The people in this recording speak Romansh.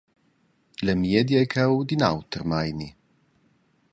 La miedia ei cheu d’in auter meini.